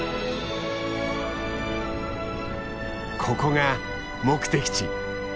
ここが目的地。